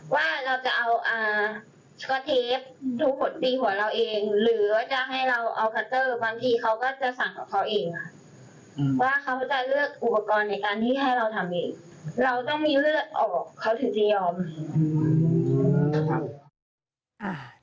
ว่าเขาจะเลือกอุปกรณ์ในการที่ให้เราทำเองเราต้องมีเลือกออกเขาถึงจะยอม